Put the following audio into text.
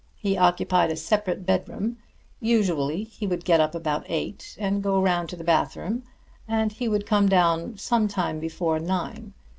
He occupied a separate bedroom. Usually he would get up about eight and go round to the bathroom, and he would come down some time before nine.